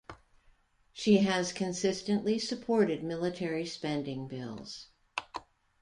She has consistently supported military spending bills.